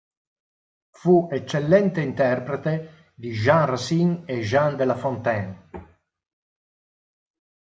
Fu eccellente interprete di Jean Racine e Jean de la Fontaine.